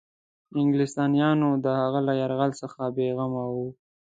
انګلیسیانو د هغه له یرغل څخه بېغمه وه.